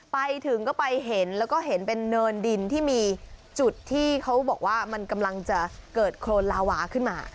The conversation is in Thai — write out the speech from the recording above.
ไปถึงก็ไปเห็นแล้วก็เห็นเป็นเนินดินที่มีจุดที่เขาบอกว่ามันกำลังจะเกิดโครนลาวาขึ้นมา